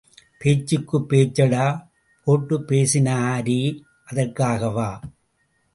பேச்சுக்குப் பேச்சு டா போட்டுப் பேசினாரே, அதற்காகவா?